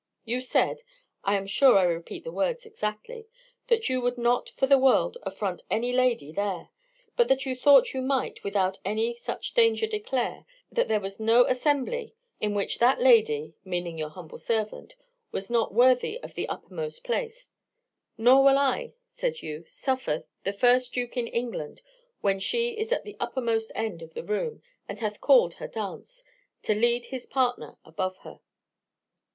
You said I am sure I repeat the words exactly that you would not for the world affront any lady there; but that you thought you might, without any such danger declare, that there was no assembly in which that lady, meaning your humble servant, was not worthy of the uppermost place; 'nor will I,' said you, 'suffer, the first duke in England, when she is at the uppermost end of the room, and hath called her dance, to lead his partner above her.